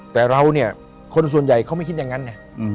แต่เราเนี่ยคนส่วนใหญ่เขาไม่คิดอย่างนั้นไง